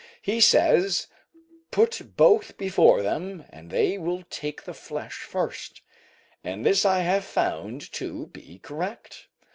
He says, put both before them and they will take the flesh first, and this I have found to be correct.